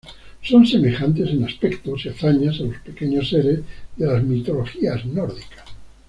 Son semejantes en aspectos y hazañas a los pequeños seres de las mitologías nórdicas.